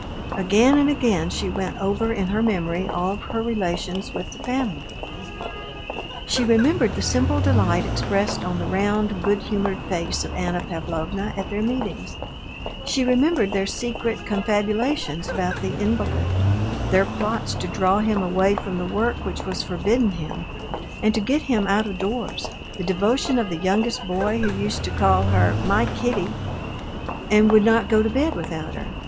Again and again she went over in her memory all her relations with the family. She remembered the simple delight expressed on the round, good humored face of Anna Pavlovna at their meetings; she remembered their secret confabulations about the invalid, their plots to draw him away from the work which was forbidden him, and to get him out of doors; the devotion of the youngest boy, who used to call her "my Kitty," and would not go to bed without her.